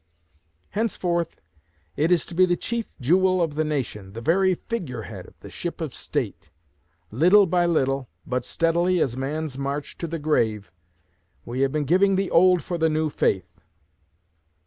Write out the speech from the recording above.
Henceforth it is to be the chief jewel of the nation, the very figurehead of the ship of state. Little by little, but steadily as man's march to the grave, we have been giving the old for the new faith.